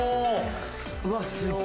うわっ